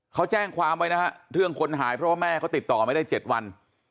เขาแจ้งความไว้นะฮะเรื่องคนหายเพราะว่าแม่เขาติดต่อไม่ได้๗วัน